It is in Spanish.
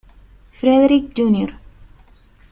FredericK Jr.